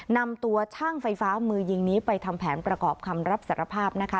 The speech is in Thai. นำตัวช่างไฟฟ้ามือยิงนี้ไปทำแผนประกอบคำรับสารภาพนะคะ